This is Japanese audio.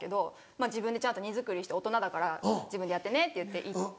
自分でちゃんと荷造りして大人だから「自分でやってね」って言って行って。